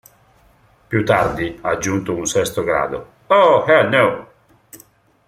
Più tardi ha aggiunto un sesto grado, "Oh Hell No!!".